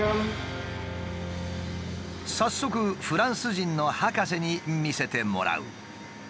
早速フランス人の博士に見せてもらう。